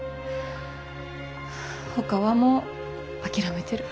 ほかはもう諦めてる。